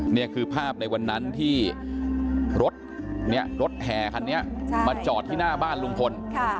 นี่คือภาพในวันนั้นที่รถแห่คันนี้มาจอดที่หน้าบ้านลุงพล